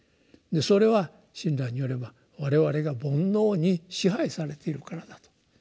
それは親鸞によれば我々が「煩悩」に支配されているからだと。